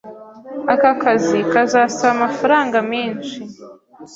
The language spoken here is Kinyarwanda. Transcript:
Aka kazi kazasaba amafaranga menshi.